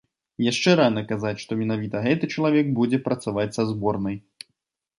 Яшчэ рана казаць, што менавіта гэты чалавек будзе працаваць са зборнай.